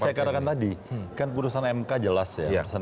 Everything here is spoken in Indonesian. seperti saya katakan tadi kan urusan mk jelas ya